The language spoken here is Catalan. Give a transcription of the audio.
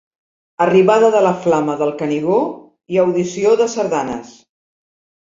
Arribada de la flama del Canigó i audició de sardanes.